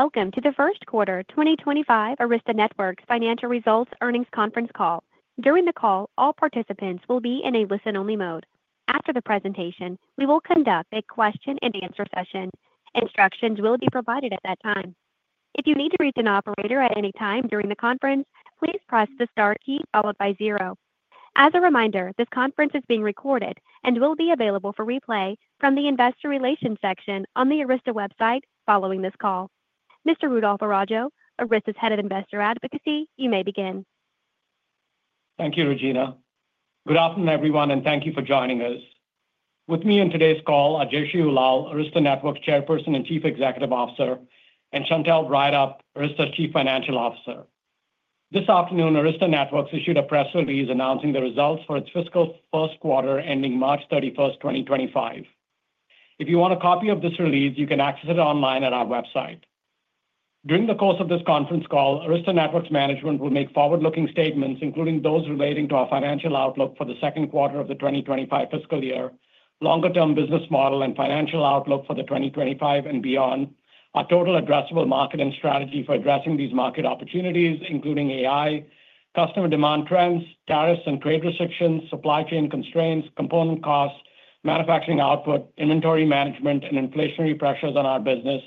Welcome to the First Quarter 2025 Arista Networks Financial Results Earnings Conference Call. During the call, all participants will be in a listen-only mode. After the presentation, we will conduct a question-and-answer session. Instructions will be provided at that time. If you need to reach an operator at any time during the conference, please press the star key followed by zero. As a reminder, this conference is being recorded and will be available for replay from the investor relations section on the Arista website following this call. Mr. Rudolph Araujo, Arista's Head of Investor Advocacy, you may begin. Thank you, Regina. Good afternoon, everyone, and thank you for joining us. With me on today's call are Jayshree Ullal, Arista Networks' Chairperson and Chief Executive Officer, and Chantelle Breithaupt, Arista's Chief Financial Officer. This afternoon, Arista Networks issued a press release announcing the results for its fiscal first quarter ending March 31, 2025. If you want a copy of this release, you can access it online at our website. During the course of this conference call, Arista Networks management will make forward-looking statements, including those relating to our financial outlook for the second quarter of the 2025 fiscal year, longer-term business model, and financial outlook for 2025 and beyond, our total addressable market, and strategy for addressing these market opportunities, including AI, customer demand trends, tariffs and trade restrictions, supply chain constraints, component costs, manufacturing output, inventory management, and inflationary pressures on our business,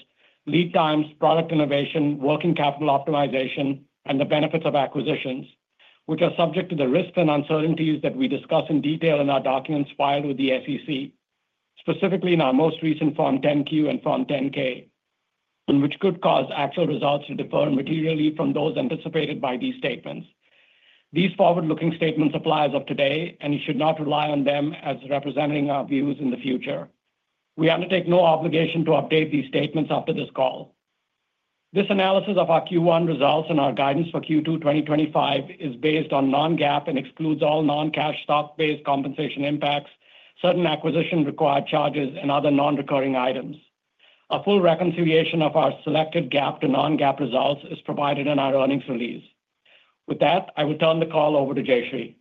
lead times, product innovation, working capital optimization, and the benefits of acquisitions, which are subject to the risks and uncertainties that we discuss in detail in our documents filed with the SEC, specifically in our most recent Form 10-Q and Form 10-K, which could cause actual results to differ materially from those anticipated by these statements. These forward-looking statements apply as of today, and you should not rely on them as representing our views in the future. We undertake no obligation to update these statements after this call. This analysis of our Q1 results and our guidance for Q2 2025 is based on non-GAAP and excludes all non-cash stock-based compensation impacts, certain acquisition-required charges, and other non-recurring items. A full reconciliation of our selected GAAP to non-GAAP results is provided in our earnings release. With that, I will turn the call over to Jayshree.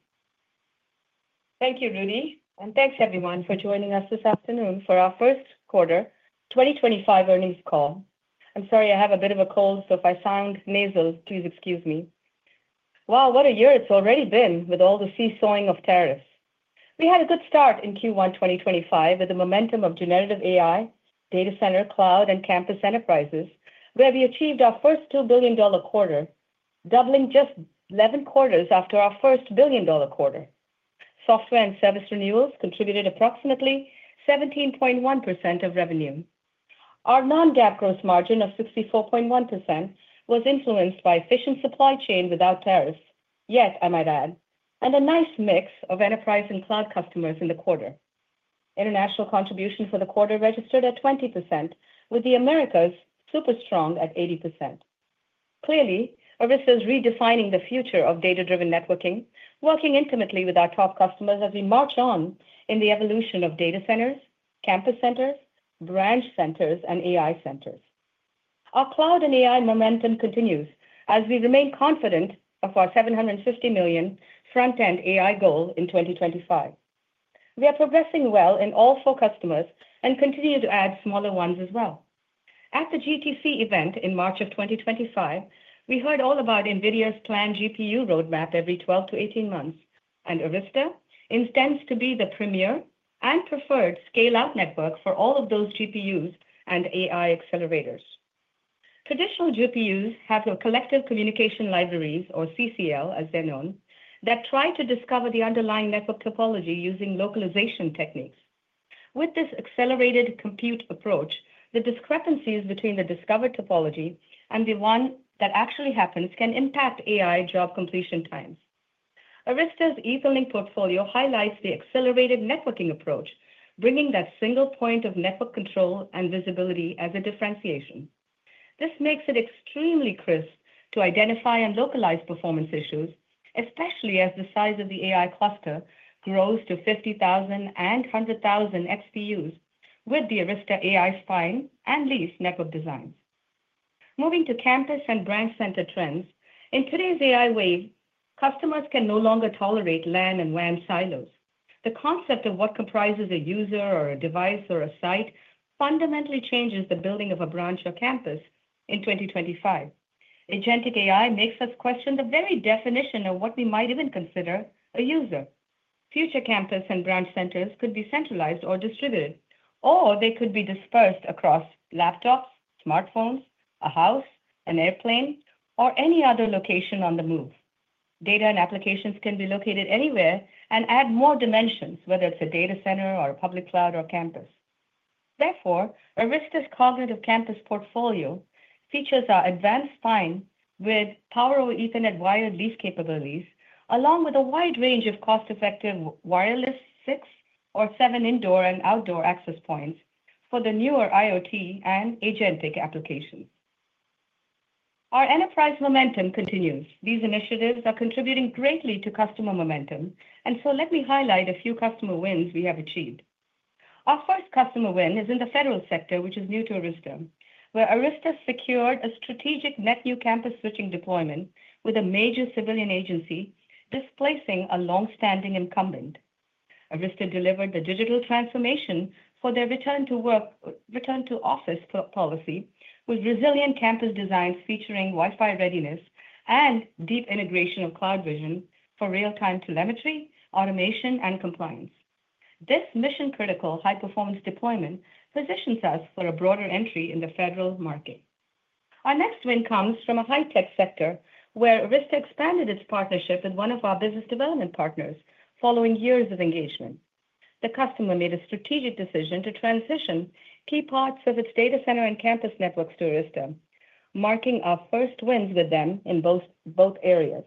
Thank you, Rudy, and thanks, everyone, for joining us this afternoon for our first quarter 2025 earnings call. I'm sorry, I have a bit of a cold, so if I sound nasal, please excuse me. Wow, what a year it's already been with all the seesawing of tariffs. We had a good start in Q1 2025 with the momentum of generative AI, data center, cloud, and campus enterprises, where we achieved our first $2 billion quarter, doubling just 11 quarters after our first billion-dollar quarter. Software and service renewals contributed approximately 17.1% of revenue. Our non-GAAP gross margin of 64.1% was influenced by efficient supply chain without tariffs, yet, I might add, and a nice mix of enterprise and cloud customers in the quarter. International contribution for the quarter registered at 20%, with the Americas super strong at 80%. Clearly, Arista is redefining the future of data-driven networking, working intimately with our top customers as we march on in the evolution of data centers, campus centers, branch centers, and AI centers. Our cloud and AI momentum continues as we remain confident of our $750 million front-end AI goal in 2025. We are progressing well in all four customers and continue to add smaller ones as well. At the GTC event in March of 2025, we heard all about NVIDIA's planned GPU roadmap every 12-18 months, and Arista intends to be the premier and preferred scale-out network for all of those GPUs and AI accelerators. Traditional GPUs have their collective communication libraries, or CCL, as they're known, that try to discover the underlying network topology using localization techniques. With this accelerated compute approach, the discrepancies between the discovered topology and the one that actually happens can impact AI job completion times. Arista's Etherlink portfolio highlights the accelerated networking approach, bringing that single point of network control and visibility as a differentiation. This makes it extremely crisp to identify and localize performance issues, especially as the size of the AI cluster grows to 50,000 and 100,000 XPUs with the Arista AI Spine and Leaf network designs. Moving to campus and branch center trends, in today's AI wave, customers can no longer tolerate LAN and WAN silos. The concept of what comprises a user or a device or a site fundamentally changes the building of a branch or campus in 2025. Agentic AI makes us question the very definition of what we might even consider a user. Future campus and branch centers could be centralized or distributed, or they could be dispersed across laptops, smartphones, a house, an airplane, or any other location on the move. Data and applications can be located anywhere and add more dimensions, whether it's a data center or a public cloud or campus. Therefore, Arista's cognitive campus portfolio features our advanced spine with powerful Ethernet wired leaf capabilities, along with a wide range of cost-effective wireless 6 or 7 indoor and outdoor access points for the newer IoT and agentic applications. Our enterprise momentum continues. These initiatives are contributing greatly to customer momentum, and let me highlight a few customer wins we have achieved. Our first customer win is in the federal sector, which is new to Arista, where Arista secured a strategic net new campus switching deployment with a major civilian agency displacing a long-standing incumbent. Arista delivered the digital transformation for their return to work, return to office policy, with resilient campus designs featuring Wi-Fi readiness and deep integration of CloudVision for real-time telemetry, automation, and compliance. This mission-critical high-performance deployment positions us for a broader entry in the federal market. Our next win comes from a high-tech sector where Arista expanded its partnership with one of our business development partners following years of engagement. The customer made a strategic decision to transition key parts of its data center and campus networks to Arista, marking our first wins with them in both areas.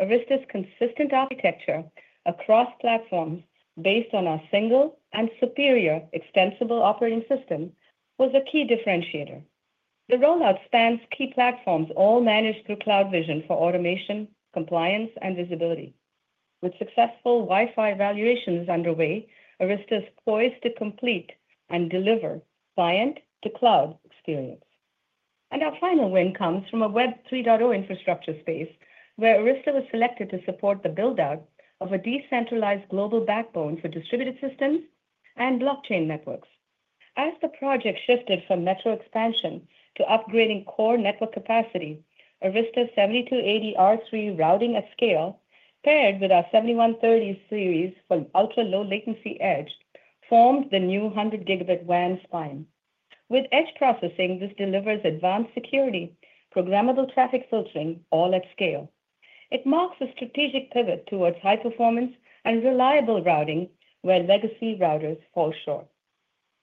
Arista's consistent architecture across platforms based on our single and superior Extensible Operating System was a key differentiator. The rollout spans key platforms all managed through CloudVision for automation, compliance, and visibility. With successful Wi-Fi evaluations underway, Arista is poised to complete and deliver client-to-cloud experience. Our final win comes from a Web 3.0 infrastructure space where Arista was selected to support the build-out of a decentralized global backbone for distributed systems and blockchain networks. As the project shifted from network expansion to upgrading core network capacity, Arista's 7280 R3 routing at scale, paired with our 7130 series for ultra-low latency edge, formed the new 100 gigabit WAN spine. With edge processing, this delivers advanced security, programmable traffic filtering, all at scale. It marks a strategic pivot towards high performance and reliable routing where legacy routers fall short.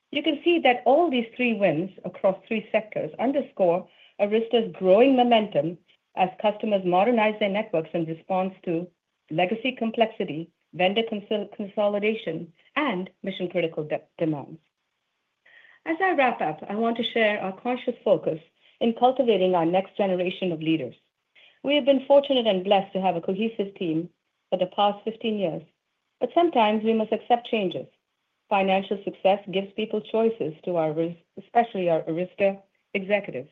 You can see that all these three wins across three sectors underscore Arista's growing momentum as customers modernize their networks in response to legacy complexity, vendor consolidation, and mission-critical demands. As I wrap up, I want to share our conscious focus in cultivating our next generation of leaders. We have been fortunate and blessed to have a cohesive team for the past 15 years, but sometimes we must accept changes. Financial success gives people choices, especially our Arista executives.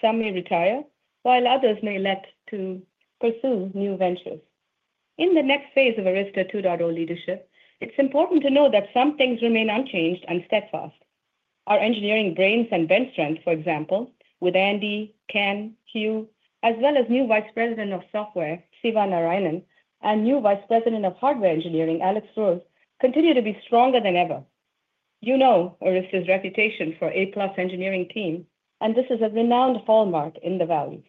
Some may retire, while others may elect to pursue new ventures. In the next phase of Arista 2.0 leadership, it's important to know that some things remain unchanged and steadfast. Our engineering brains and bench strength, for example, with Andy, Ken, Hugh, as well as new Vice President of Software, Sivan Araynan, and new Vice President of Hardware Engineering, Alex Rose, continue to be stronger than ever. You know Arista's reputation for A-plus engineering team, and this is a renowned hallmark in the valley.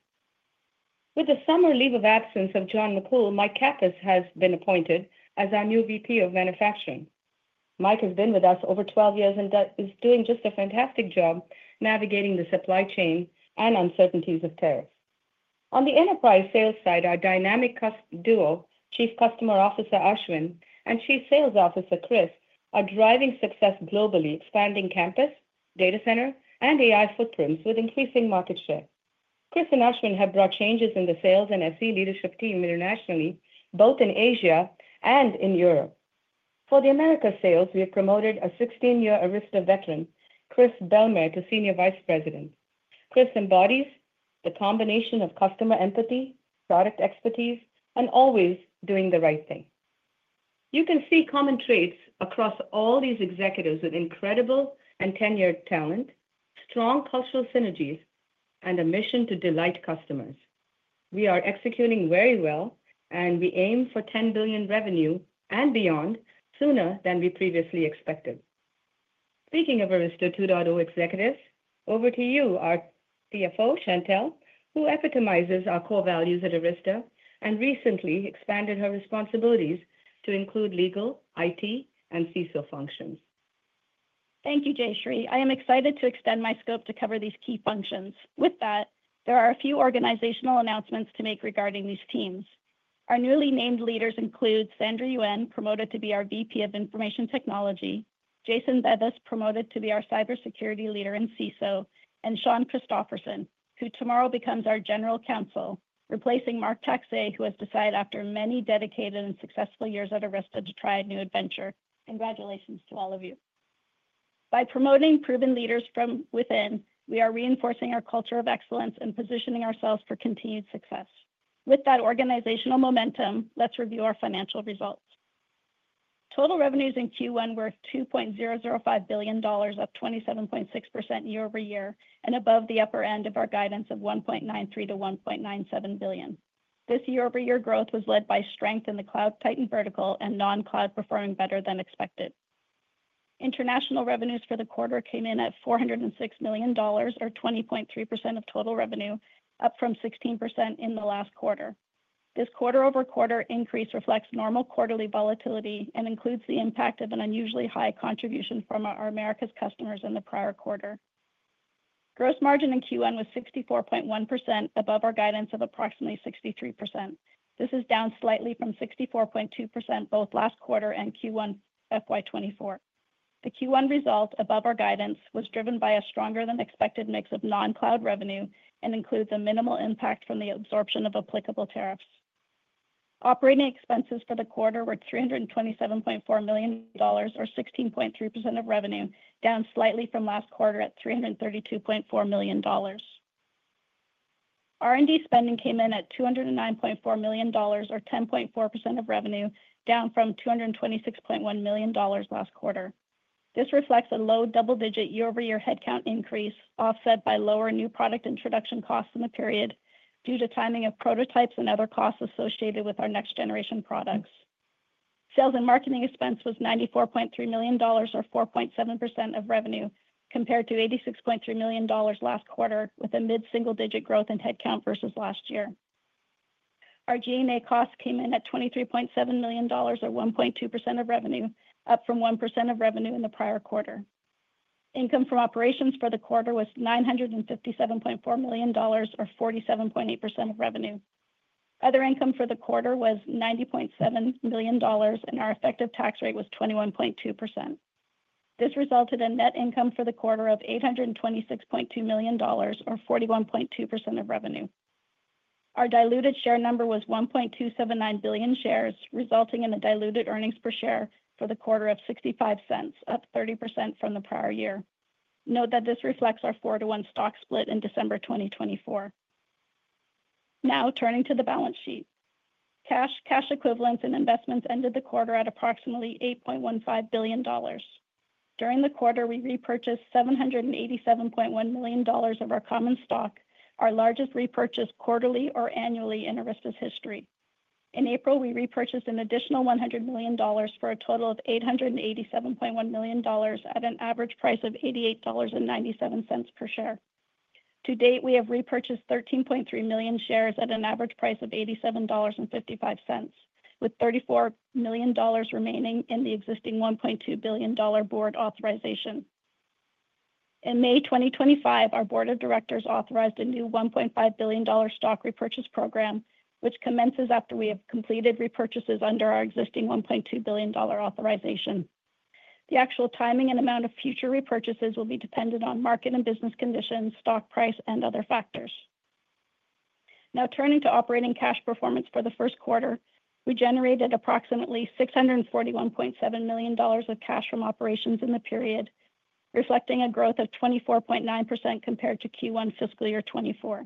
With the summer leave of absence of John McCool, Mike Kappus has been appointed as our new VP of Manufacturing. Mike has been with us over 12 years and is doing just a fantastic job navigating the supply chain and uncertainties of tariffs. On the enterprise sales side, our dynamic customer duo, Chief Customer Officer Ashwin and Chief Sales Officer Chris, are driving success globally, expanding campus, data center, and AI footprints with increasing market share. Chris and Ashwin have brought changes in the sales and SE leadership team internationally, both in Asia and in Europe. For the America sales, we have promoted a 16-year Arista veteran, Chris Bellmer, to Senior Vice President. Chris embodies the combination of customer empathy, product expertise, and always doing the right thing. You can see common traits across all these executives with incredible and tenured talent, strong cultural synergies, and a mission to delight customers. We are executing very well, and we aim for $10 billion revenue and beyond sooner than we previously expected. Speaking of Arista 2.0 executives, over to you, our CFO, Chantelle, who epitomizes our core values at Arista and recently expanded her responsibilities to include legal, IT, and CISO functions. Thank you, Jayshree. I am excited to extend my scope to cover these key functions. With that, there are a few organizational announcements to make regarding these teams. Our newly named leaders include Sandra Yuen, promoted to be our VP of Information Technology, Jason Bevis, promoted to be our cybersecurity leader and CISO, and Sean Christopherson, who tomorrow becomes our General Counsel, replacing Mark Takse, who has decided after many dedicated and successful years at Arista to try a new adventure. Congratulations to all of you. By promoting proven leaders from within, we are reinforcing our culture of excellence and positioning ourselves for continued success. With that organizational momentum, let's review our financial results. Total revenues in Q1 were $2.005 billion, up 27.6% year over year, and above the upper end of our guidance of $1.93-$1.97 billion. This year-over-year growth was led by strength in the cloud tightened vertical and non-cloud performing better than expected. International revenues for the quarter came in at $406 million, or 20.3% of total revenue, up from 16% in the last quarter. This quarter-over-quarter increase reflects normal quarterly volatility and includes the impact of an unusually high contribution from our Americas customers in the prior quarter. Gross margin in Q1 was 64.1%, above our guidance of approximately 63%. This is down slightly from 64.2% both last quarter and Q1 FY2024. The Q1 result, above our guidance, was driven by a stronger-than-expected mix of non-cloud revenue and includes a minimal impact from the absorption of applicable tariffs. Operating expenses for the quarter were $327.4 million, or 16.3% of revenue, down slightly from last quarter at $332.4 million. R&D spending came in at $209.4 million, or 10.4% of revenue, down from $226.1 million last quarter. This reflects a low double-digit year-over-year headcount increase offset by lower new product introduction costs in the period due to timing of prototypes and other costs associated with our next-generation products. Sales and marketing expense was $94.3 million, or 4.7% of revenue, compared to $86.3 million last quarter with a mid-single-digit growth in headcount versus last year. Our G&A costs came in at $23.7 million, or 1.2% of revenue, up from 1% of revenue in the prior quarter. Income from operations for the quarter was $957.4 million, or 47.8% of revenue. Other income for the quarter was $90.7 million, and our effective tax rate was 21.2%. This resulted in net income for the quarter of $826.2 million, or 41.2% of revenue. Our diluted share number was 1.279 billion shares, resulting in a diluted earnings per share for the quarter of $0.65, up 30% from the prior year. Note that this reflects our four-to-one stock split in December 2024. Now, turning to the balance sheet, cash, cash equivalents, and investments ended the quarter at approximately $8.15 billion. During the quarter, we repurchased $787.1 million of our common stock, our largest repurchase quarterly or annually in Arista's history. In April, we repurchased an additional $100 million for a total of $887.1 million at an average price of $88.97 per share. To date, we have repurchased 13.3 million shares at an average price of $87.55, with $34 million remaining in the existing $1.2 billion board authorization. In May 2025, our board of directors authorized a new $1.5 billion stock repurchase program, which commences after we have completed repurchases under our existing $1.2 billion authorization. The actual timing and amount of future repurchases will be dependent on market and business conditions, stock price, and other factors. Now, turning to operating cash performance for the first quarter, we generated approximately $641.7 million of cash from operations in the period, reflecting a growth of 24.9% compared to Q1 fiscal year 2024.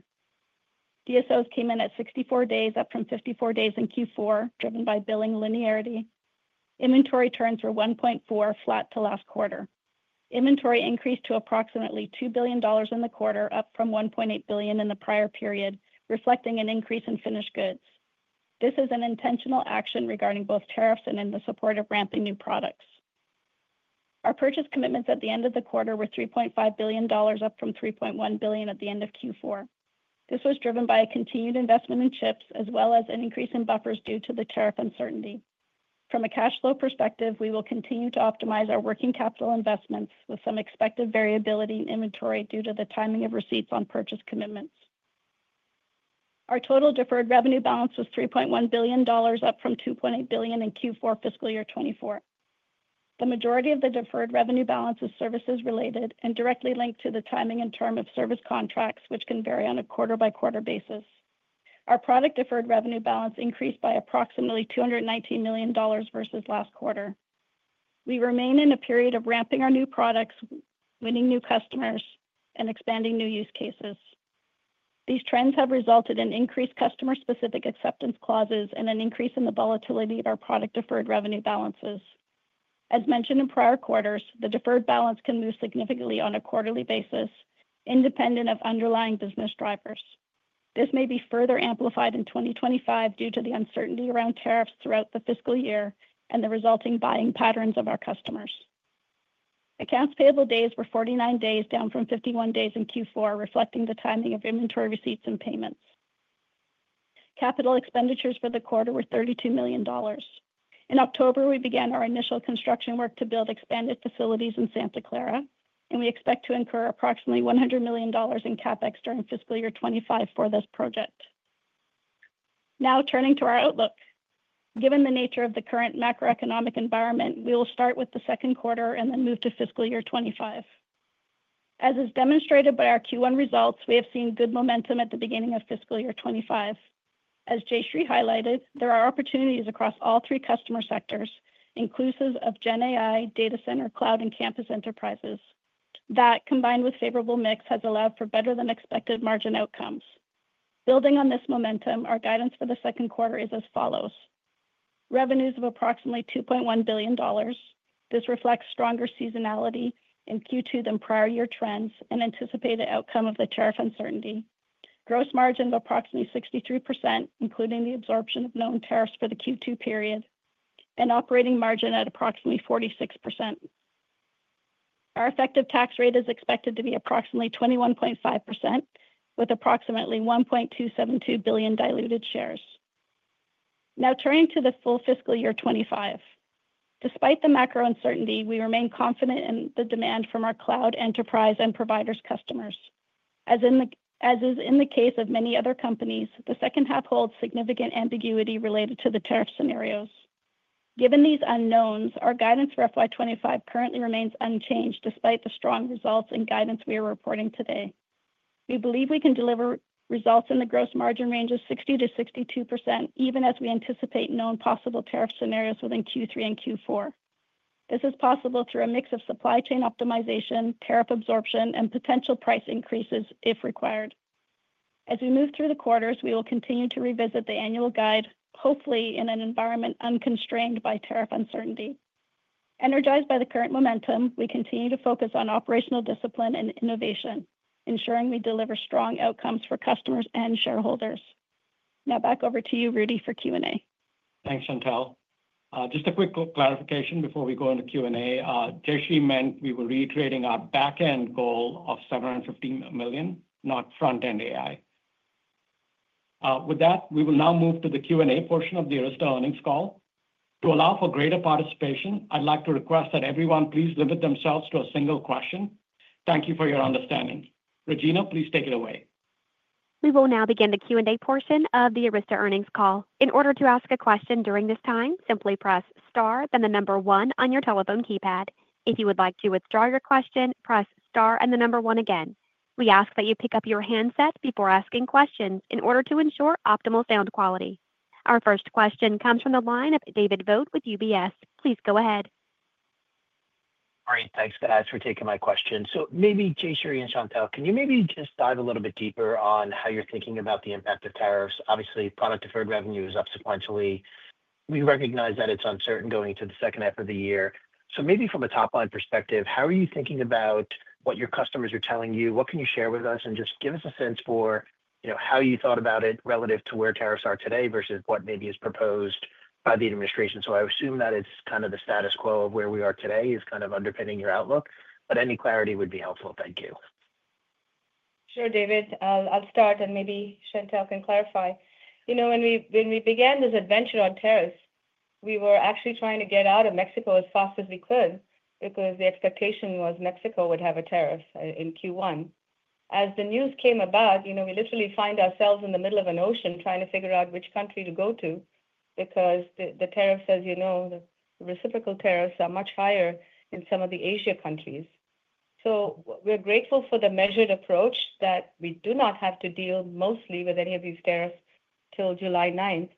DSOs came in at 64 days, up from 54 days in Q4, driven by billing linearity. Inventory turns were 1.4, flat to last quarter. Inventory increased to approximately $2 billion in the quarter, up from $1.8 billion in the prior period, reflecting an increase in finished goods. This is an intentional action regarding both tariffs and in the support of ramping new products. Our purchase commitments at the end of the quarter were $3.5 billion, up from $3.1 billion at the end of Q4. This was driven by a continued investment in chips, as well as an increase in buffers due to the tariff uncertainty. From a cash flow perspective, we will continue to optimize our working capital investments with some expected variability in inventory due to the timing of receipts on purchase commitments. Our total deferred revenue balance was $3.1 billion, up from $2.8 billion in Q4 fiscal year 2024. The majority of the deferred revenue balance is services related and directly linked to the timing and term of service contracts, which can vary on a quarter-by-quarter basis. Our product deferred revenue balance increased by approximately $219 million versus last quarter. We remain in a period of ramping our new products, winning new customers, and expanding new use cases. These trends have resulted in increased customer-specific acceptance clauses and an increase in the volatility of our product deferred revenue balances. As mentioned in prior quarters, the deferred balance can move significantly on a quarterly basis, independent of underlying business drivers. This may be further amplified in 2025 due to the uncertainty around tariffs throughout the fiscal year and the resulting buying patterns of our customers. Accounts payable days were 49 days, down from 51 days in Q4, reflecting the timing of inventory receipts and payments. Capital expenditures for the quarter were $32 million. In October, we began our initial construction work to build expanded facilities in Santa Clara, and we expect to incur approximately $100 million in CapEx during fiscal year 2025 for this project. Now, turning to our outlook. Given the nature of the current macroeconomic environment, we will start with the second quarter and then move to fiscal year 2025. As is demonstrated by our Q1 results, we have seen good momentum at the beginning of fiscal year 2025. As Jayshree highlighted, there are opportunities across all three customer sectors, inclusive of GenAI, data center, cloud, and campus enterprises. That, combined with favorable mix, has allowed for better-than-expected margin outcomes. Building on this momentum, our guidance for the second quarter is as follows: revenues of approximately $2.1 billion. This reflects stronger seasonality in Q2 than prior year trends and anticipated outcome of the tariff uncertainty. Gross margin of approximately 63%, including the absorption of known tariffs for the Q2 period, and operating margin at approximately 46%. Our effective tax rate is expected to be approximately 21.5%, with approximately $1.272 billion diluted shares. Now, turning to the full fiscal year 2025. Despite the macro uncertainty, we remain confident in the demand from our cloud, enterprise, and providers' customers. As is in the case of many other companies, the second half holds significant ambiguity related to the tariff scenarios. Given these unknowns, our guidance for fiscal year 2025 currently remains unchanged despite the strong results and guidance we are reporting today. We believe we can deliver results in the gross margin range of 60%-62%, even as we anticipate known possible tariff scenarios within Q3 and Q4. This is possible through a mix of supply chain optimization, tariff absorption, and potential price increases if required. As we move through the quarters, we will continue to revisit the annual guide, hopefully in an environment unconstrained by tariff uncertainty. Energized by the current momentum, we continue to focus on operational discipline and innovation, ensuring we deliver strong outcomes for customers and shareholders. Now, back over to you, Rudy, for Q&A. Thanks, Chantelle. Just a quick clarification before we go into Q&A. Jayshree mentioned we were reiterating our backend goal of $750 million, not front-end AI. With that, we will now move to the Q&A portion of the Arista earnings call. To allow for greater participation, I'd like to request that everyone please limit themselves to a single question. Thank you for your understanding. Regina, please take it away. We will now begin the Q&A portion of the Arista earnings call. In order to ask a question during this time, simply press star, then the number one on your telephone keypad. If you would like to withdraw your question, press star and the number one again. We ask that you pick up your handset before asking questions in order to ensure optimal sound quality. Our first question comes from the line of David Vogt with UBS. Please go ahead. All right. Thanks, guys, for taking my question. Maybe Jayshree and Chantelle, can you maybe just dive a little bit deeper on how you're thinking about the impact of tariffs? Obviously, product deferred revenue is up sequentially. We recognize that it's uncertain going into the second half of the year. From a top-line perspective, how are you thinking about what your customers are telling you? What can you share with us? Just give us a sense for how you thought about it relative to where tariffs are today versus what maybe is proposed by the administration. I assume that it's kind of the status quo of where we are today is kind of underpinning your outlook. Any clarity would be helpful. Thank you. Sure, David. I'll start, and maybe Chantelle can clarify. You know, when we began this adventure on tariffs, we were actually trying to get out of Mexico as fast as we could because the expectation was Mexico would have a tariff in Q1. As the news came about, you know, we literally find ourselves in the middle of an ocean trying to figure out which country to go to because the tariffs, as you know, the reciprocal tariffs are much higher in some of the Asia countries. We are grateful for the measured approach that we do not have to deal mostly with any of these tariffs till July 9.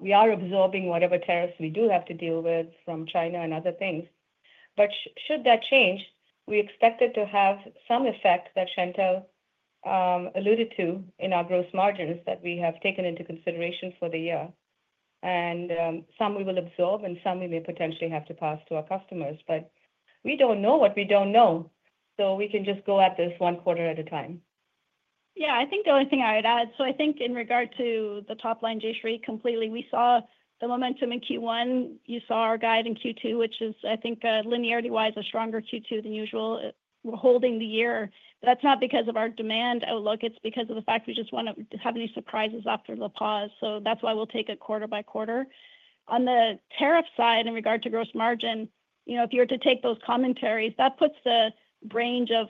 We are absorbing whatever tariffs we do have to deal with from China and other things. Should that change, we expect it to have some effect that Chantelle alluded to in our gross margins that we have taken into consideration for the year. Some we will absorb, and some we may potentially have to pass to our customers. We do not know what we do not know, so we can just go at this one quarter at a time. Yeah, I think the only thing I would add, so I think in regard to the top line, Jayshree, completely, we saw the momentum in Q1. You saw our guide in Q2, which is, I think, linearity-wise, a stronger Q2 than usual. We're holding the year. That's not because of our demand outlook. It's because of the fact we just want to have any surprises after the pause. That's why we'll take it quarter by quarter. On the tariff side, in regard to gross margin, you know, if you were to take those commentaries, that puts the range of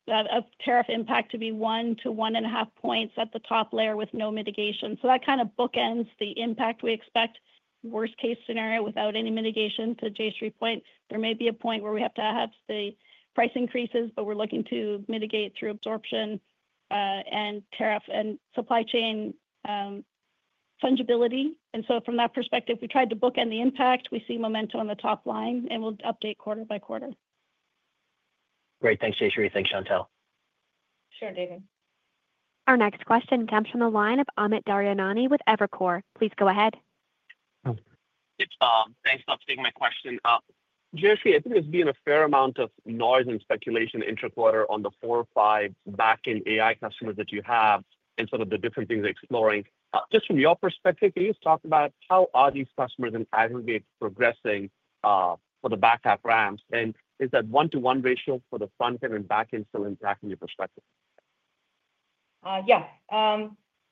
tariff impact to be one to one and a half points at the top layer with no mitigation. That kind of bookends the impact we expect, worst-case scenario, without any mitigation. To Jayshree's point, there may be a point where we have to have the price increases, but we're looking to mitigate through absorption and tariff and supply chain fungibility. From that perspective, we tried to bookend the impact. We see momentum on the top line, and we'll update quarter by quarter. Great. Thanks, Jayshree. Thanks, Chantelle. Sure, David. Our next question comes from the line of Amit Daryanani with Evercore. Please go ahead. Thanks for taking my question. Jayshree, I think there's been a fair amount of noise and speculation intra-quarter on the four or five backend AI customers that you have and some of the different things they're exploring. Just from your perspective, can you just talk about how are these customers and aggregates progressing for the back-up ramps? Is that one-to-one ratio for the front-end and back-end still impacting your perspective? Yeah.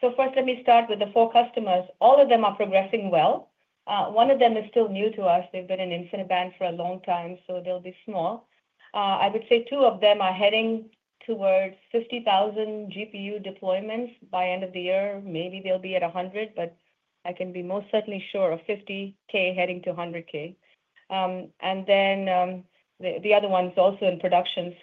First, let me start with the four customers. All of them are progressing well. One of them is still new to us. They've been in InfiniBand for a long time, so they'll be small. I would say two of them are heading towards 50,000 GPU deployments. By end of the year, maybe they'll be at 100,000, but I can be most certainly sure of 50,000 heading to 100,000. The other one is also in production.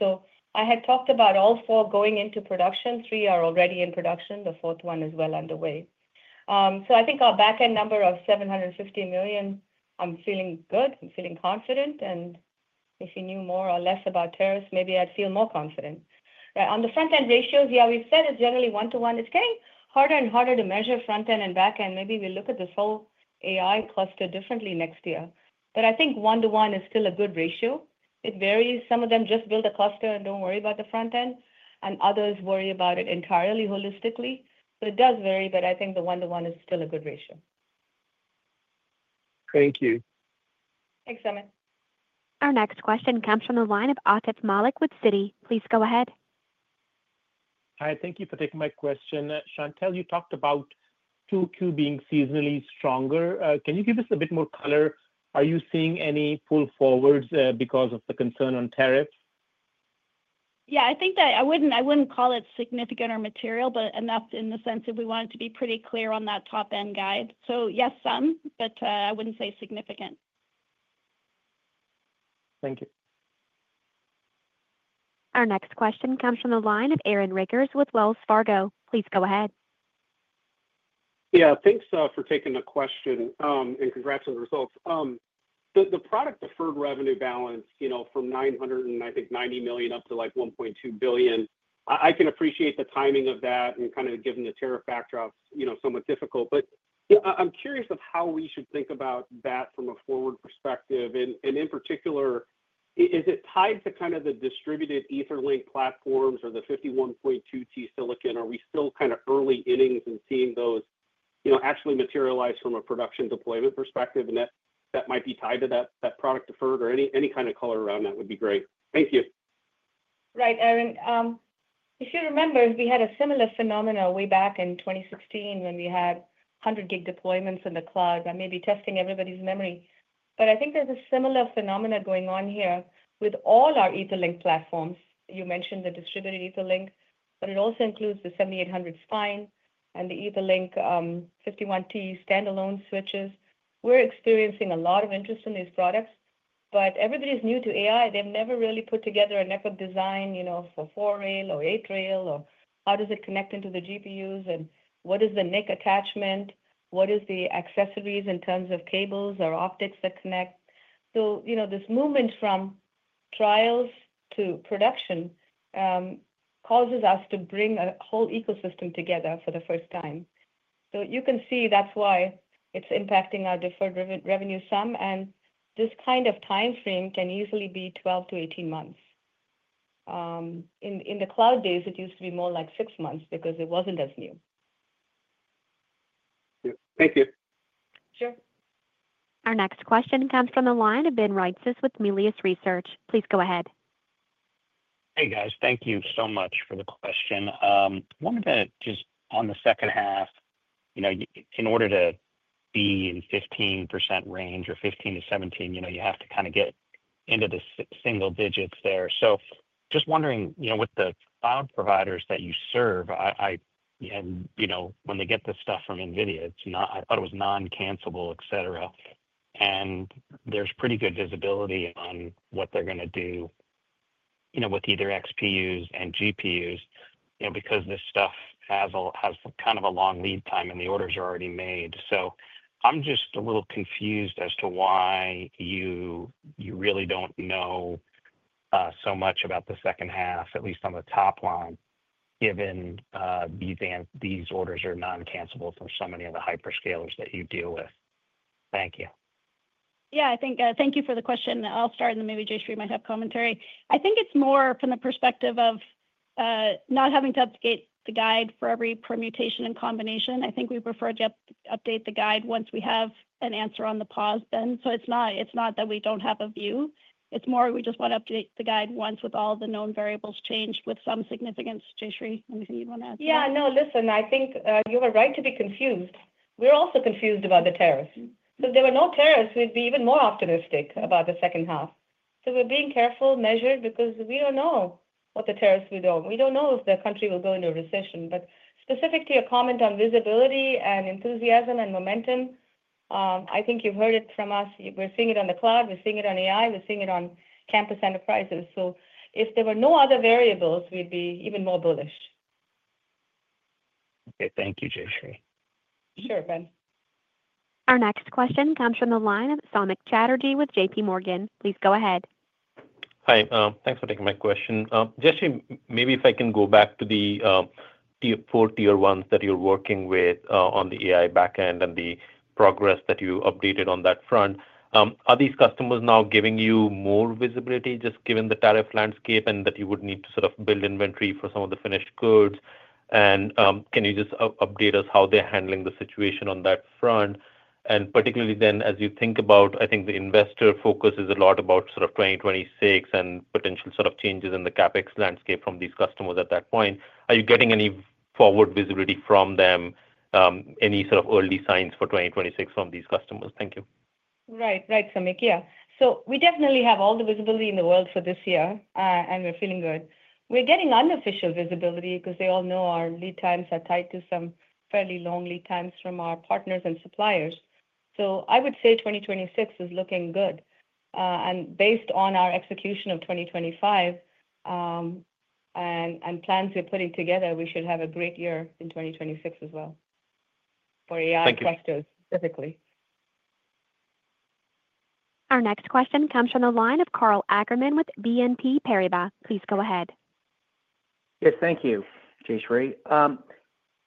I had talked about all four going into production. Three are already in production. The fourth one is well underway. I think our back-end number of $750 million, I'm feeling good. I'm feeling confident. If you knew more or less about tariffs, maybe I'd feel more confident. On the front-end ratios, yeah, we've said it's generally one-to-one. It's getting harder and harder to measure front-end and back-end. Maybe we look at this whole AI cluster differently next year. I think one-to-one is still a good ratio. It varies. Some of them just build a cluster and do not worry about the front-end, and others worry about it entirely holistically. It does vary, but I think the one-to-one is still a good ratio. Thank you. Thanks, Amit. Our next question comes from the line of Atif Malik with Citi. Please go ahead. Hi. Thank you for taking my question. Chantelle, you talked about Q2 being seasonally stronger. Can you give us a bit more color? Are you seeing any pull forwards because of the concern on tariffs? Yeah, I think that I wouldn't call it significant or material, but enough in the sense if we wanted to be pretty clear on that top-end guide. Yes, some, but I wouldn't say significant. Thank you. Our next question comes from the line of Aaron Rakers with Wells Fargo. Please go ahead. Yeah, thanks for taking the question and congrats on the results. The product deferred revenue balance, you know, from $990 million up to like $1.2 billion, I can appreciate the timing of that and kind of given the tariff backdrop, you know, somewhat difficult. I am curious of how we should think about that from a forward perspective. In particular, is it tied to kind of the distributed Etherlink platforms or the 51.2T silicon? Are we still kind of early innings and seeing those, you know, actually materialize from a production deployment perspective? That might be tied to that product deferred or any kind of color around that would be great. Thank you. Right, Aaron. If you remember, we had a similar phenomenon way back in 2016 when we had 100-gig deployments in the cloud and maybe testing everybody's memory. I think there's a similar phenomenon going on here with all our Etherlink platforms. You mentioned the distributed Etherlink, but it also includes the 7800 Spine and the Etherlink 51.2T standalone switches. We're experiencing a lot of interest in these products, but everybody's new to AI. They've never really put together a network design, you know, for 4 rail or 8 rail or how does it connect into the GPUs and what is the NIC attachment, what are the accessories in terms of cables or optics that connect. You know, this movement from trials to production causes us to bring a whole ecosystem together for the first time. You can see that's why it's impacting our deferred revenue some. This kind of timeframe can easily be 12-18 months. In the cloud days, it used to be more like six months because it was not as new. Thank you. Sure. Our next question comes from the line of Ben Reitzes with Melius Research. Please go ahead. Hey, guys. Thank you so much for the question. I wanted to just, on the second half, you know, in order to be in the 15% range or 15-17%, you have to kind of get into the single digits there. Just wondering, you know, with the cloud providers that you serve, I, you know, when they get this stuff from NVIDIA, it's not, I thought it was non-cancelable, et cetera. There's pretty good visibility on what they're going to do, you know, with either XPUs and GPUs, you know, because this stuff has kind of a long lead time and the orders are already made. I'm just a little confused as to why you really don't know so much about the second half, at least on the top line, given these orders are non-cancelable for so many of the hyperscalers that you deal with. Thank you. Yeah, I think thank you for the question. I'll start, and then maybe Jayshree might have commentary. I think it's more from the perspective of not having to update the guide for every permutation and combination. I think we prefer to update the guide once we have an answer on the pause, Ben. It's not that we don't have a view. It's more we just want to update the guide once with all the known variables changed with some significance. Jayshree, anything you'd want to add to that? Yeah, no, listen, I think you are right to be confused. We're also confused about the tariffs. If there were no tariffs, we'd be even more optimistic about the second half. We are being careful, measured, because we don't know what the tariffs will do. We don't know if the country will go into a recession. Specific to your comment on visibility and enthusiasm and momentum, I think you've heard it from us. We're seeing it on the cloud. We're seeing it on AI. We're seeing it on campus enterprises. If there were no other variables, we'd be even more bullish. Okay, thank you, Jayshree. Sure, Ben. Our next question comes from the line of Samik Chatterjee with JPMorgan. Please go ahead. Hi. Thanks for taking my question. Jayshree, maybe if I can go back to the four tier ones that you're working with on the AI backend and the progress that you updated on that front. Are these customers now giving you more visibility just given the tariff landscape and that you would need to sort of build inventory for some of the finished goods? Can you just update us how they're handling the situation on that front? Particularly, as you think about, I think the investor focus is a lot about sort of 2026 and potential sort of changes in the CapEx landscape from these customers at that point. Are you getting any forward visibility from them, any sort of early signs for 2026 from these customers? Thank you. Right, right, Sonic. Yeah. We definitely have all the visibility in the world for this year, and we're feeling good. We're getting unofficial visibility because they all know our lead times are tied to some fairly long lead times from our partners and suppliers. I would say 2026 is looking good. Based on our execution of 2025 and plans we're putting together, we should have a great year in 2026 as well for AI clusters specifically. Our next question comes from the line of Karl Ackerman with BNP Paribas. Please go ahead. Yes, thank you, Jayshree.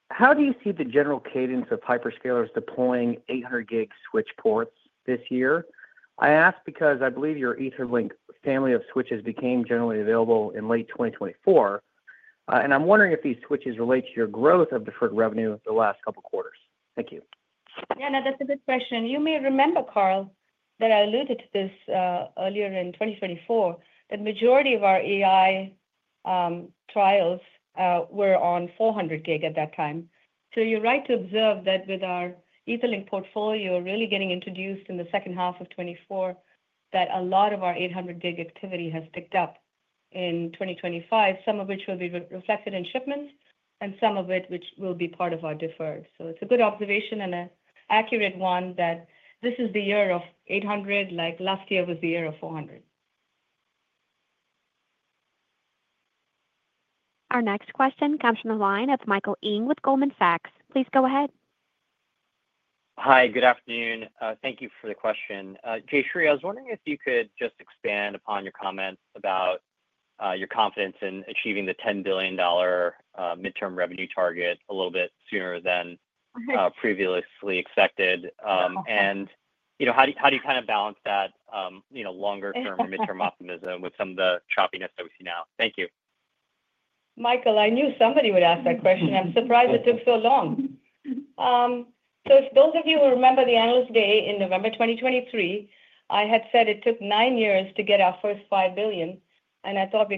How do you see the general cadence of hyperscalers deploying 800-gig switch ports this year? I ask because I believe your Etherlink family of switches became generally available in late 2024. I am wondering if these switches relate to your growth of deferred revenue the last couple of quarters. Thank you. Yeah, no, that's a good question. You may remember, Karl, that I alluded to this earlier in 2024, that the majority of our AI trials were on 400-gig at that time. You're right to observe that with our Etherlink portfolio really getting introduced in the second half of 2024, a lot of our 800-gig activity has picked up in 2025, some of which will be reflected in shipments and some of it which will be part of our deferred. It's a good observation and an accurate one that this is the year of 800, like last year was the year of 400. Our next question comes from the line of Mike Ng with Goldman Sachs. Please go ahead. Hi, good afternoon. Thank you for the question. Jayshree, I was wondering if you could just expand upon your comments about your confidence in achieving the $10 billion midterm revenue target a little bit sooner than previously expected. You know, how do you kind of balance that, you know, longer-term or midterm optimism with some of the choppiness that we see now? Thank you. Mike, I knew somebody would ask that question. I'm surprised it took so long. If those of you who remember the analyst day in November 2023, I had said it took nine years to get our first $5 billion. I thought.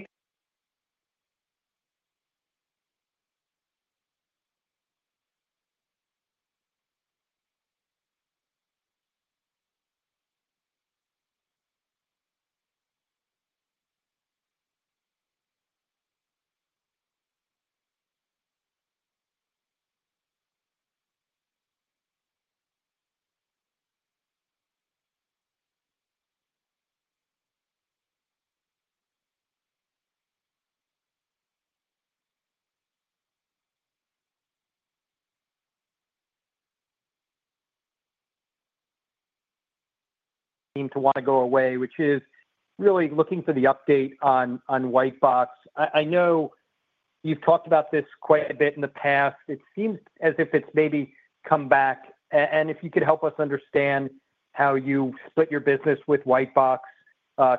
To want to go away, which is really looking for the update on White Box. I know you've talked about this quite a bit in the past. It seems as if it's maybe come back. If you could help us understand how you split your business with White Box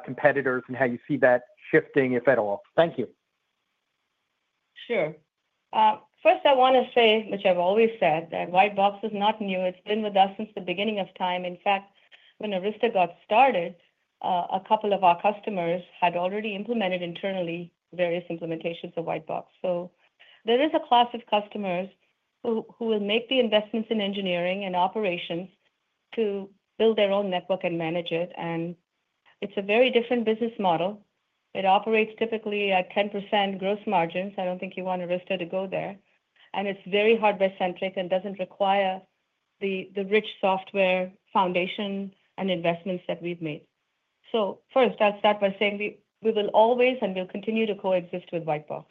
competitors and how you see that shifting, if at all. Thank you. Sure. First, I want to say, which I've always said, that White Box is not new. It's been with us since the beginning of time. In fact, when Arista got started, a couple of our customers had already implemented internally various implementations of White Box. There is a class of customers who will make the investments in engineering and operations to build their own network and manage it. It's a very different business model. It operates typically at 10% gross margins. I don't think you want Arista to go there. It's very hardware-centric and doesn't require the rich software foundation and investments that we've made. First, I'll start by saying we will always and will continue to coexist with White Box.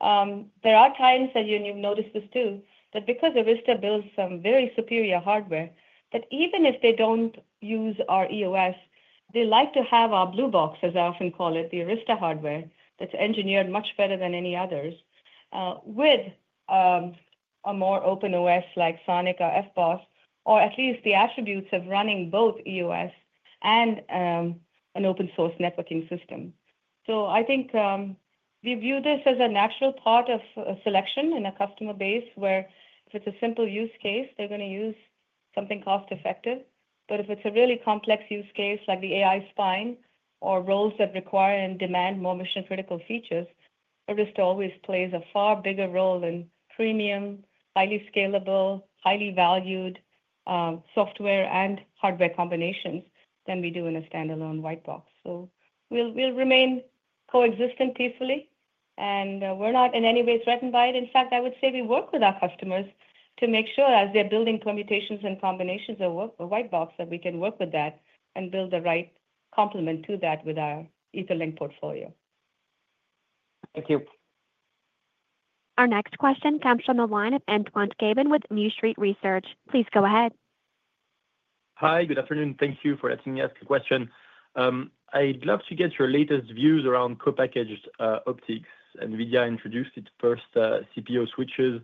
There are times, and you've noticed this too, that because Arista builds some very superior hardware, that even if they don't use our EOS, they like to have our Blue Box, as I often call it, the Arista hardware that's engineered much better than any others, with a more open OS like Sonic or FBOSS, or at least the attributes of running both EOS and an open-source networking system. I think we view this as a natural part of a selection in a customer base where if it's a simple use case, they're going to use something cost-effective. If it's a really complex use case like the AI spine or roles that require and demand more mission-critical features, Arista always plays a far bigger role in premium, highly scalable, highly valued software and hardware combinations than we do in a standalone White Box. We will remain coexistent peacefully, and we are not in any way threatened by it. In fact, I would say we work with our customers to make sure as they are building permutations and combinations of White Box that we can work with that and build the right complement to that with our Etherlink portfolio. Thank you. Our next question comes from the line of Antoine Chkaiban with New Street Research. Please go ahead. Hi, good afternoon. Thank you for letting me ask a question. I'd love to get your latest views around co-packaged optics. NVIDIA introduced its first CPO switches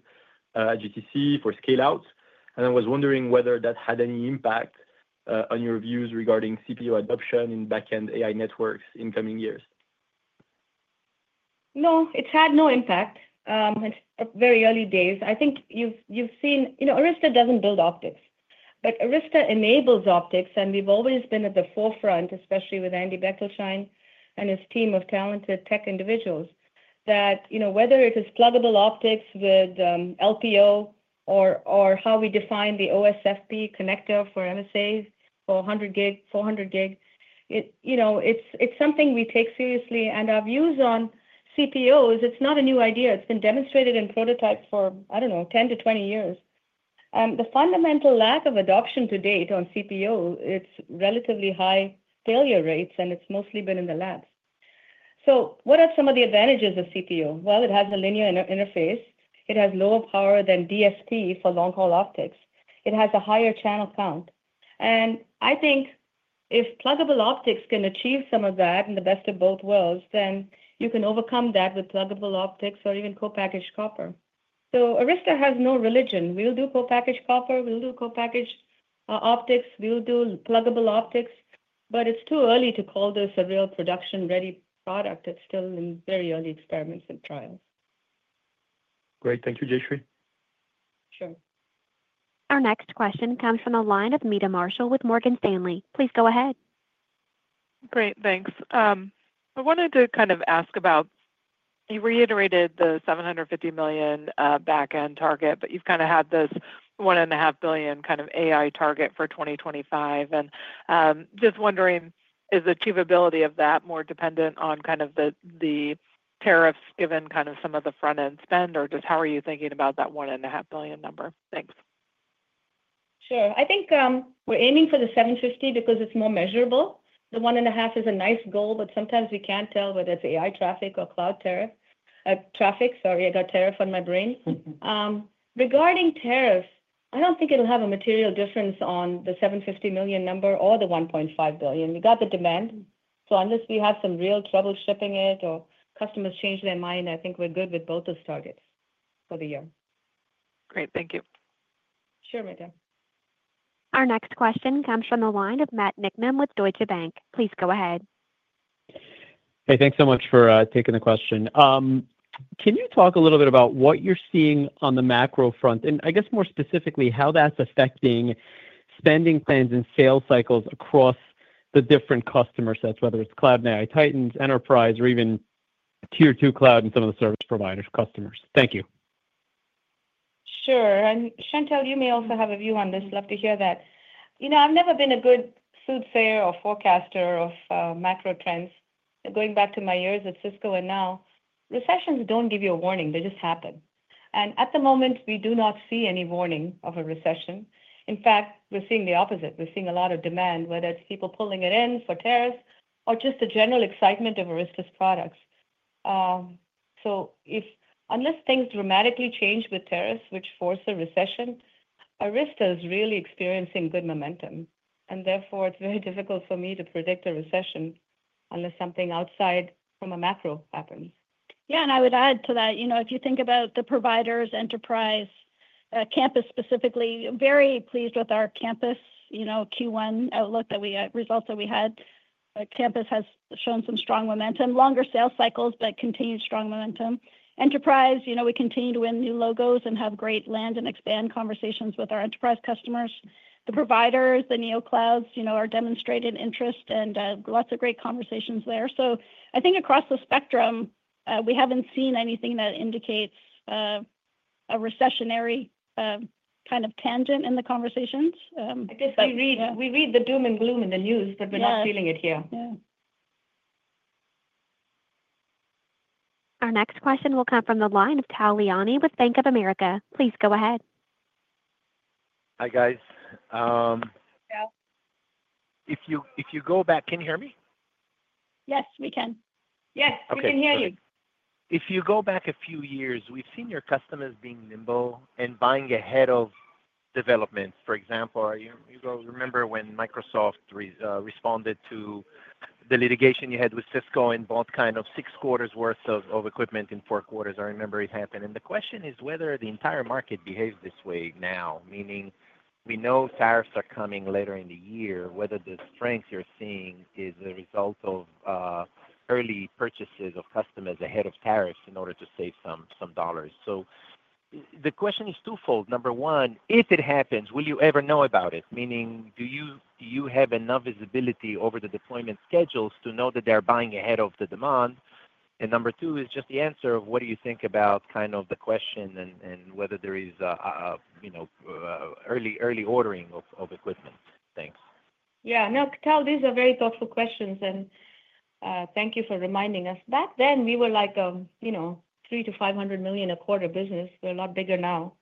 at GTC for scale-out, and I was wondering whether that had any impact on your views regarding CPO adoption in backend AI networks in coming years. No, it had no impact. It's very early days. I think you've seen, you know, Arista doesn't build optics, but Arista enables optics, and we've always been at the forefront, especially with Andy Bechtolsheim and his team of talented tech individuals, that, you know, whether it is pluggable optics with LPO or how we define the OSFP connector for MSAs for 100-gig, 400-gig, you know, it's something we take seriously. Our views on CPOs, it's not a new idea. It's been demonstrated in prototypes for, I don't know, 10 to 20 years. The fundamental lack of adoption to date on CPO, it's relatively high failure rates, and it's mostly been in the labs. What are some of the advantages of CPO? It has a linear interface. It has lower power than DSP for long-haul optics. It has a higher channel count. I think if pluggable optics can achieve some of that and the best of both worlds, then you can overcome that with pluggable optics or even co-packaged copper. Arista has no religion. We'll do co-packaged copper. We'll do co-packaged optics. We'll do pluggable optics. It's too early to call this a real production-ready product. It's still in very early experiments and trials. Great. Thank you, Jayshree. Sure. Our next question comes from the line of Meta Marshall with Morgan Stanley. Please go ahead. Great, thanks. I wanted to kind of ask about, you reiterated the $750 million backend target, but you've kind of had this $1.5 billion kind of AI target for 2025. Just wondering, is the achievability of that more dependent on kind of the tariffs given kind of some of the front-end spend, or just how are you thinking about that $1.5 billion number? Thanks. Sure. I think we're aiming for the 750 because it's more measurable. The 1.5 is a nice goal, but sometimes we can't tell whether it's AI traffic or cloud traffic. Sorry, I got tariff on my brain. Regarding tariffs, I don't think it'll have a material difference on the $750 million number or the $1.5 billion. We got the demand. Unless we have some real trouble shipping it or customers change their mind, I think we're good with both those targets for the year. Great, thank you. Sure, Meta. Our next question comes from the line of Matt Nickman with Deutsche Bank. Please go ahead. Hey, thanks so much for taking the question. Can you talk a little bit about what you're seeing on the macro front, and I guess more specifically how that's affecting spending plans and sales cycles across the different customer sets, whether it's cloud and AI titans, enterprise, or even tier two cloud and some of the service providers, customers? Thank you. Sure. Chantelle, you may also have a view on this. Love to hear that. You know, I've never been a good soothsayer or forecaster of macro trends. Going back to my years at Cisco and now, recessions don't give you a warning. They just happen. At the moment, we do not see any warning of a recession. In fact, we're seeing the opposite. We're seeing a lot of demand, whether it's people pulling it in for tariffs or just the general excitement of Arista's products. Unless things dramatically change with tariffs, which force a recession, Arista is really experiencing good momentum. Therefore, it's very difficult for me to predict a recession unless something outside from a macro happens. Yeah, and I would add to that, you know, if you think about the providers, enterprise, campus specifically, very pleased with our campus, you know, Q1 outlook that we had, results that we had. Campus has shown some strong momentum, longer sales cycles, but continued strong momentum. Enterprise, you know, we continue to win new logos and have great land and expand conversations with our enterprise customers. The providers, the NeoClouds, you know, are demonstrating interest and lots of great conversations there. I think across the spectrum, we haven't seen anything that indicates a recessionary kind of tangent in the conversations. I guess we read the doom and gloom in the news, but we're not feeling it here. Yeah. Our next question will come from the line of Tal Leoni with Bank of America. Please go ahead. Hi, guys. If you go back, can you hear me? Yes, we can. Yes, we can hear you. If you go back a few years, we've seen your customers being nimble and buying ahead of developments. For example, you remember when Microsoft responded to the litigation you had with Cisco and bought kind of six quarters' worth of equipment in four quarters. I remember it happened. The question is whether the entire market behaves this way now, meaning we know tariffs are coming later in the year, whether the strength you're seeing is a result of early purchases of customers ahead of tariffs in order to save some dollars. The question is twofold. Number one, if it happens, will you ever know about it? Meaning, do you have enough visibility over the deployment schedules to know that they're buying ahead of the demand? Number two is just the answer of what do you think about kind of the question and whether there is, you know, early ordering of equipment? Thanks. Yeah, no, Tal, these are very thoughtful questions. Thank you for reminding us. Back then, we were like, you know, $300 million to $500 million a quarter business. We're a lot bigger now.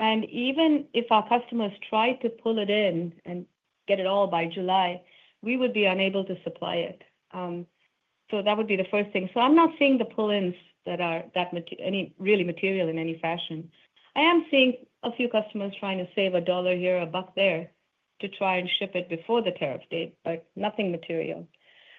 Even if our customers tried to pull it in and get it all by July, we would be unable to supply it. That would be the first thing. I'm not seeing the pull-ins that are really material in any fashion. I am seeing a few customers trying to save a dollar here, a buck there to try and ship it before the tariff date, but nothing material.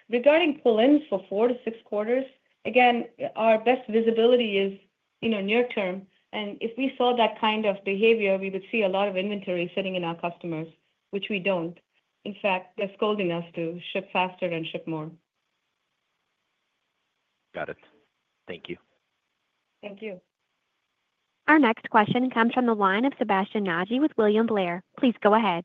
Regarding pull-ins for four to six quarters, again, our best visibility is, you know, near term. If we saw that kind of behavior, we would see a lot of inventory sitting in our customers, which we don't. In fact, they're scolding us to ship faster and ship more. Got it. Thank you. Thank you. Our next question comes from the line of Sebastian Naji with William Blair. Please go ahead.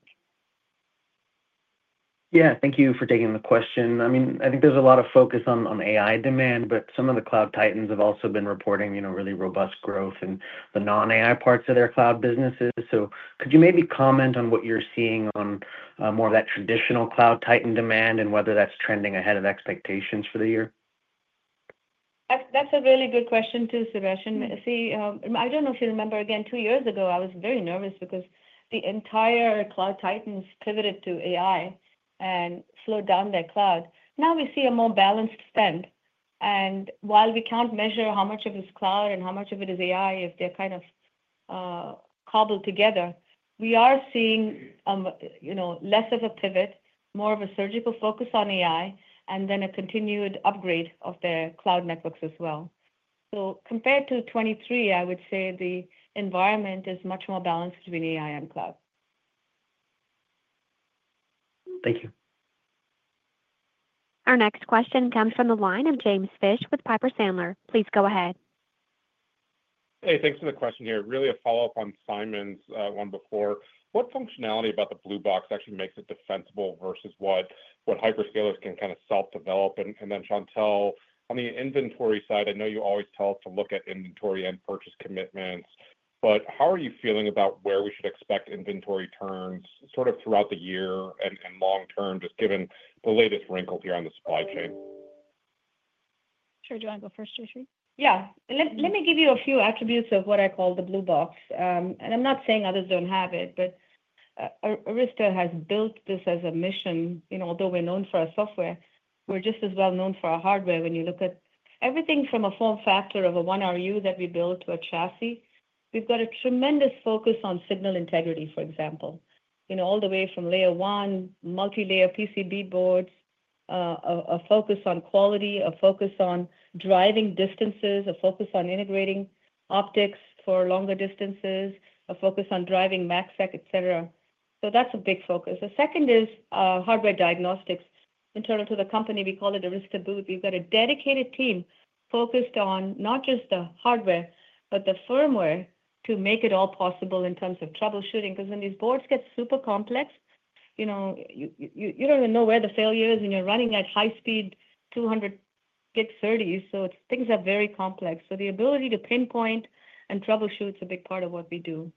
Yeah, thank you for taking the question. I mean, I think there's a lot of focus on AI demand, but some of the cloud titans have also been reporting, you know, really robust growth in the non-AI parts of their cloud businesses. Could you maybe comment on what you're seeing on more of that traditional cloud titan demand and whether that's trending ahead of expectations for the year? That's a really good question too, Sebastian. See, I don't know if you remember, again, two years ago, I was very nervous because the entire cloud titans pivoted to AI and slowed down their cloud. Now we see a more balanced spend. And while we can't measure how much of it is cloud and how much of it is AI, if they're kind of cobbled together, we are seeing, you know, less of a pivot, more of a surgical focus on AI, and then a continued upgrade of their cloud networks as well. Compared to 2023, I would say the environment is much more balanced between AI and cloud. Thank you. Our next question comes from the line of James Fish with Piper Sandler. Please go ahead. Hey, thanks for the question here. Really a follow-up on Simon's one before. What functionality about the Blue Box actually makes it defensible versus what hyperscalers can kind of self-develop? Chantelle, on the inventory side, I know you always tell us to look at inventory and purchase commitments, but how are you feeling about where we should expect inventory turns sort of throughout the year and long term, just given the latest wrinkle here on the supply chain? Sure, do you want to go first, Jayshree? Yeah. Let me give you a few attributes of what I call the Blue Box. And I'm not saying others don't have it, but Arista has built this as a mission. You know, although we're known for our software, we're just as well known for our hardware. When you look at everything from a form factor of a 1RU that we build to a chassis, we've got a tremendous focus on signal integrity, for example. You know, all the way from layer one, multi-layer PCB boards, a focus on quality, a focus on driving distances, a focus on integrating optics for longer distances, a focus on driving MACSEC, et cetera. So that's a big focus. The second is hardware diagnostics. Internal to the company, we call it Arista Booth. We've got a dedicated team focused on not just the hardware, but the firmware to make it all possible in terms of troubleshooting. Because when these boards get super complex, you know, you don't even know where the failure is, and you're running at high-speed 200 gigs 30s. Things are very complex. The ability to pinpoint and troubleshoot is a big part of what we do.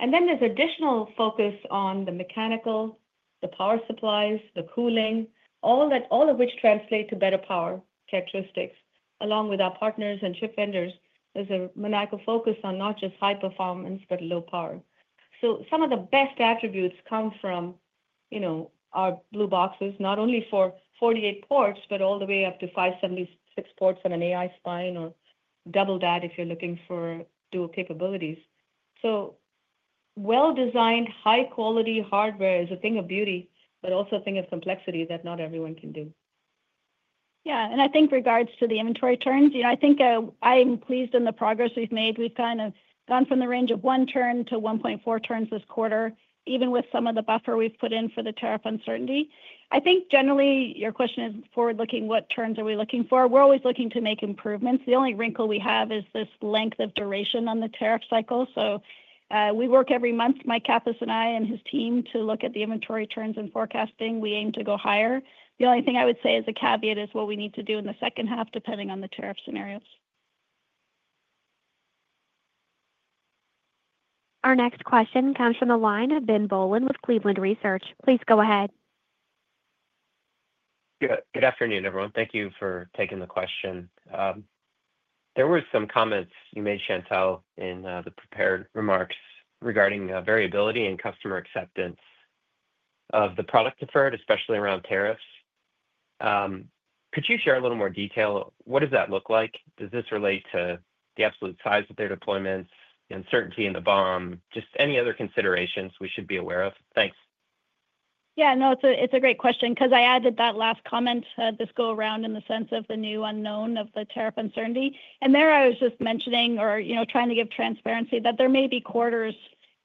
There is additional focus on the mechanical, the power supplies, the cooling, all of which translate to better power characteristics. Along with our partners and chip vendors, there's a maniacal focus on not just high performance, but low power. Some of the best attributes come from, you know, our Blue Boxes, not only for 48 ports, but all the way up to 576 ports on an AI spine or double that if you're looking for dual capabilities. Well-designed, high-quality hardware is a thing of beauty, but also a thing of complexity that not everyone can do. Yeah, and I think in regards to the inventory turns, you know, I think I'm pleased in the progress we've made. We've kind of gone from the range of one turn to 1.4 turns this quarter, even with some of the buffer we've put in for the tariff uncertainty. I think generally your question is forward-looking, what turns are we looking for? We're always looking to make improvements. The only wrinkle we have is this length of duration on the tariff cycle. We work every month, Mike Kappus and I and his team to look at the inventory turns and forecasting. We aim to go higher. The only thing I would say as a caveat is what we need to do in the second half, depending on the tariff scenarios. Our next question comes from the line of Ben Bowlen with Cleveland Research. Please go ahead. Good afternoon, everyone. Thank you for taking the question. There were some comments you made, Chantelle, in the prepared remarks regarding variability and customer acceptance of the product deferred, especially around tariffs. Could you share a little more detail? What does that look like? Does this relate to the absolute size of their deployments, uncertainty in the BOM, just any other considerations we should be aware of? Thanks. Yeah, no, it's a great question because I added that last comment this go around in the sense of the new unknown of the tariff uncertainty. There I was just mentioning or, you know, trying to give transparency that there may be quarters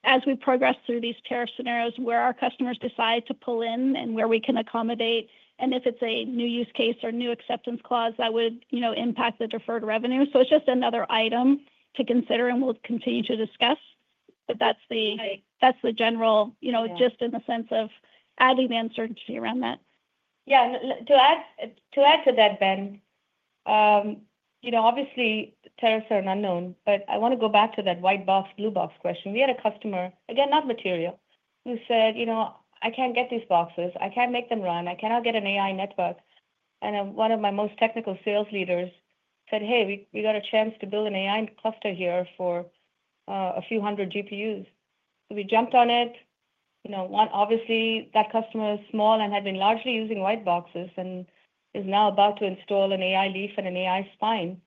as we progress through these tariff scenarios where our customers decide to pull in and where we can accommodate. If it's a new use case or new acceptance clause that would, you know, impact the deferred revenue. It's just another item to consider and we'll continue to discuss. That's the general, you know, just in the sense of adding the uncertainty around that. Yeah, to add to that, Ben, you know, obviously tariffs are an unknown, but I want to go back to that white box, blue box question. We had a customer, again, not material, who said, you know, I can't get these boxes. I can't make them run. I cannot get an AI network. One of my most technical sales leaders said, hey, we got a chance to build an AI cluster here for a few hundred GPUs. We jumped on it. You know, obviously that customer is small and had been largely using white boxes and is now about to install an AI leaf and an AI spine.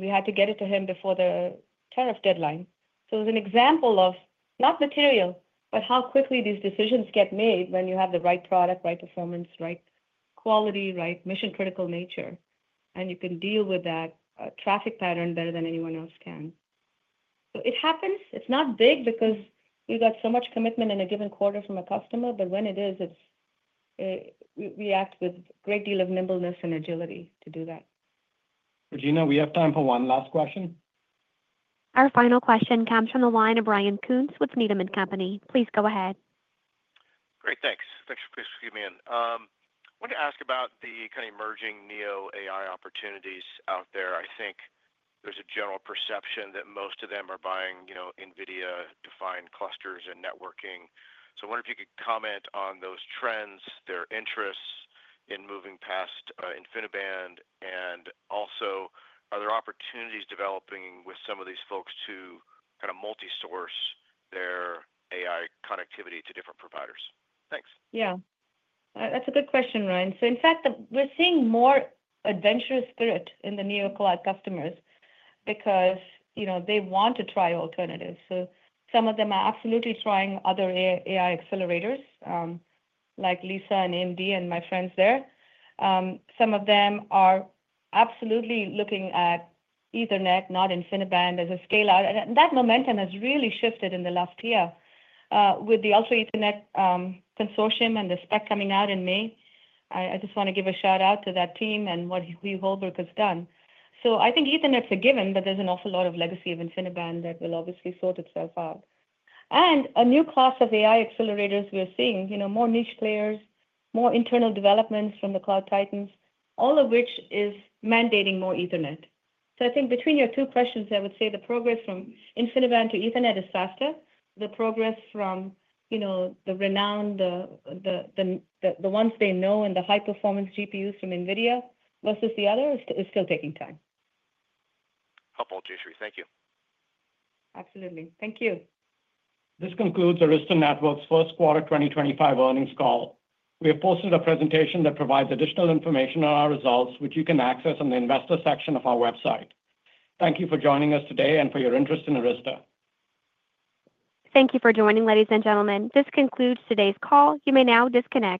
We had to get it to him before the tariff deadline. It was an example of not material, but how quickly these decisions get made when you have the right product, right performance, right quality, right mission-critical nature. You can deal with that traffic pattern better than anyone else can. It happens. It's not big because we've got so much commitment in a given quarter from a customer, but when it is, we act with a great deal of nimbleness and agility to do that. Regina, we have time for one last question. Our final question comes from the line of Ryan Koontz with Needham & Company. Please go ahead. Great, thanks. Thanks for keeping me in. I wanted to ask about the kind of emerging Neo AI opportunities out there. I think there's a general perception that most of them are buying, you know, NVIDIA-defined clusters and networking. I wonder if you could comment on those trends, their interests in moving past InfiniBand, and also are there opportunities developing with some of these folks to kind of multi-source their AI connectivity to different providers? Thanks. Yeah, that's a good question, Ryan. In fact, we're seeing more adventurous spirit in the NeoCloud customers because, you know, they want to try alternatives. Some of them are absolutely trying other AI accelerators like Lisa and AMD and my friends there. Some of them are absolutely looking at Ethernet, not InfiniBand, as a scale-out. That momentum has really shifted in the last year with the Ultra Ethernet Consortium and the spec coming out in May. I just want to give a shout-out to that team and what Hugh Holbrook has done. I think Ethernet's a given, but there's an awful lot of legacy of InfiniBand that will obviously sort itself out. A new class of AI accelerators we're seeing, you know, more niche players, more internal developments from the cloud titans, all of which is mandating more Ethernet. I think between your two questions, I would say the progress from InfiniBand to Ethernet is faster. The progress from, you know, the renowned, the ones they know and the high-performance GPUs from NVIDIA versus the other is still taking time. Helpful, Jayshree. Thank you. Absolutely. Thank you. This concludes Arista Networks' First Quarter 2025 Earnings Call. We have posted a presentation that provides additional information on our results, which you can access on the investor section of our website. Thank you for joining us today and for your interest in Arista. Thank you for joining, ladies and gentlemen. This concludes today's call. You may now disconnect.